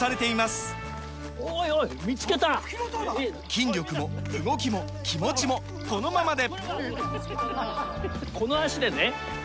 筋力も動きも気持ちもこのままで！